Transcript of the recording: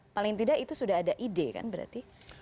paling tidak itu sudah ada ide kan berarti